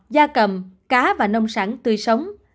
da cầm cá và nông sản tươi sống